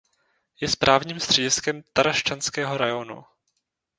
Je správním střediskem Taraščanského rajónu.